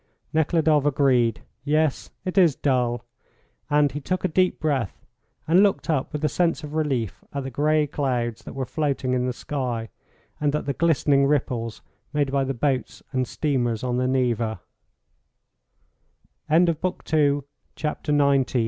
Nekhludoff agreed. "Yes, it is dull," and he took a deep breath, and looked up with a sense of relief at the grey clouds that were floating in the sky, and at the glistening ripples made by the boats and steamers on the Neva. CHAPTER XX. MASLOVA'S APPEAL.